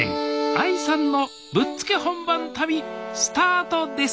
ＡＩさんのぶっつけ本番旅スタートです